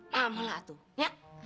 mama lah atuh ya